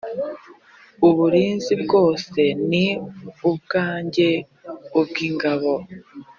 uburiza bwose ni ubwanjye ubw ingabo